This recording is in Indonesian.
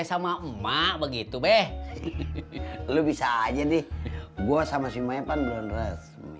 sama emak begitu beh lu bisa aja nih gua sama si maipan belum resmi